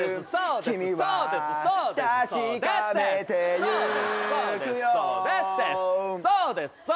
「そうです